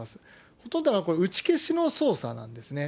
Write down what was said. ほとんどがこれ、打ち消しの捜査なんですね。